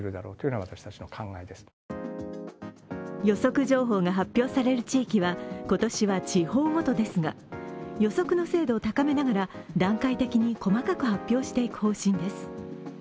予測情報が発表される地域は今年は地方ごとですが予測の精度を高めながら段階的に細かく発表していく方針です。